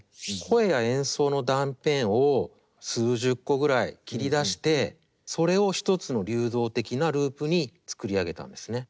声や演奏の断片を数十個ぐらい切り出してそれを一つの流動的なループに作り上げたんですね。